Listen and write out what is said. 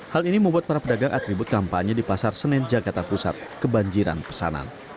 hal ini membuat para pedagang atribut kampanye di pasar senen jakarta pusat kebanjiran pesanan